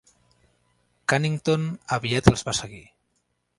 Cunnington aviat els va seguir.